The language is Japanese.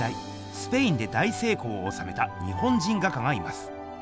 スペインで大せいこうをおさめた日本人画家がいます。